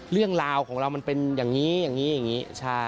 เรื่องราวของเรามันเป็นอย่างนี้อย่างนี้